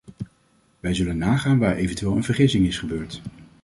Wij zullen nagaan waar eventueel een vergissing is gebeurd.